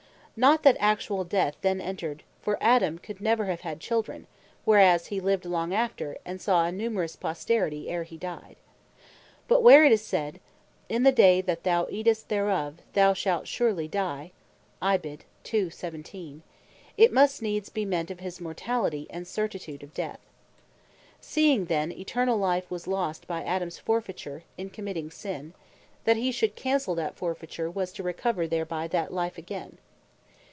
Not that actuall Death then entred; for Adam then could never have had children; whereas he lived long after, and saw a numerous posterity ere he dyed. But where it is said, "In the day that thou eatest thereof, thou shalt surely die," it must needs bee meant of his Mortality, and certitude of death. Seeing then Eternall life was lost by Adams forfeiture, in committing sin, he that should cancell that forfeiture was to recover thereby, that Life again.